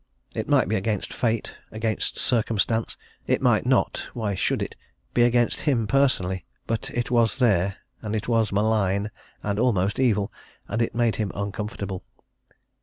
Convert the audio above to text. It might be against fate against circumstance: it might not why should it? be against him personally, but it was there, and it was malign and almost evil, and it made him uncomfortable.